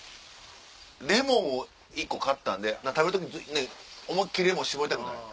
レモン１個買ったんで食べる時思い切りレモン搾りたくない？